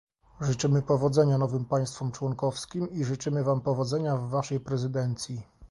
Życzymy powodzenia nowym państwom członkowskim i życzymy wam powodzenia w waszej prezydencji